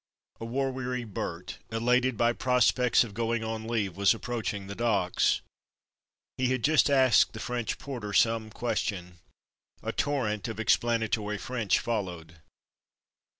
A war weary "Bert," elated by prospects of going on leave, w^as approaching the docks. He had just asked the French porter some question. A torrent of explana tory French followed.